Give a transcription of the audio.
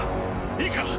いいか